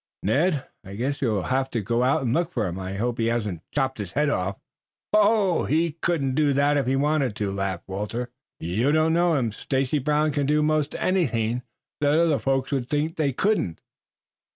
"Ned, I guess you will have to go look for him. I hope he hasn't chopped his head off." "Oh, he couldn't do that if he wanted to," laughed Walter. "You don't know him. Stacy Brown can do most anything that other folks would think they couldn't.